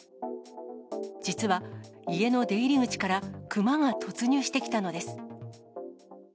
実は、家の出入り口から熊が突入してきたのです。